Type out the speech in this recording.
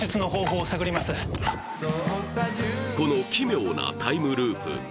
この奇妙なタイムループ。